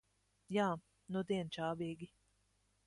Jā, nudien čābīgi.